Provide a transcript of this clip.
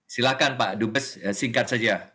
silahkan pak dubes singkat saja